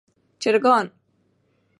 چرګان